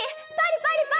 パリパリ